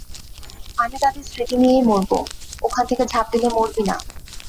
আমি তাদের স্মৃতি নিয়েই মরবো, ওখান থেকে ঝাঁপ দিলে মরবি না।